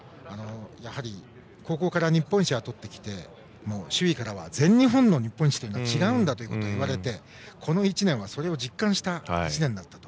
高校から日本一をとってきて周囲からは全日本の日本一は地が生んだということを言われてこの１年はそれを実感した１年だったと。